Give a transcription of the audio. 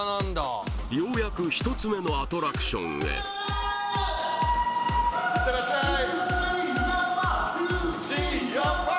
ようやく１つ目のアトラクションへ行ってらっしゃいＦＵＪＩＹＡＭＡ！